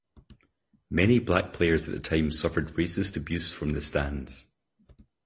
Many black players at the time suffered racist abuse from the stands.